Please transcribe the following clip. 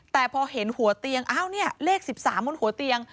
แต่พอเห็นหัวเตียงอ้าวเนี่ยเลข๑๓บนหัวเตียง